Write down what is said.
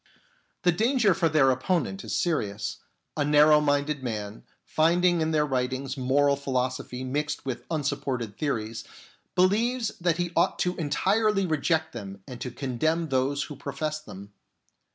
The danger for their opponent is serious. A narrow minded man, finding in their writings moral philosophy mixed with unsupported theories, believes that he ought to entirely reject them and to condemn those who profess them.